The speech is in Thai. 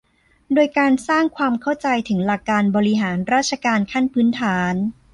โดยการสร้างความเข้าใจถึงหลักการบริหารราชการขั้นพื้นฐาน